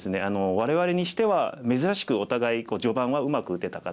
我々にしては珍しくお互い序盤はうまく打てたかなと思います。